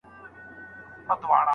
زوی وويل چي د موزيم ماهر ساعت خوښ کړ.